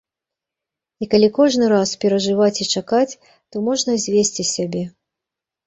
І калі кожны раз перажываць і чакаць, то можна звесці сябе.